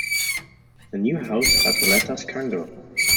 The new house had the letters Kungl.